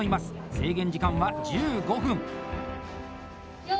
制限時間は１５分。